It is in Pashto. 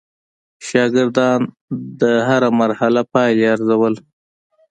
شاګردان د هره مرحله پایلې ارزول.